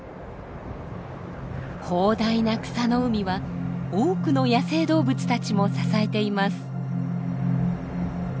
広大な草の海は多くの野生動物たちも支えています。